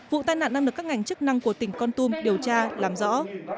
vụ tai nạn đang được các ngành chức năng của tỉnh con tum điều tra làm rõ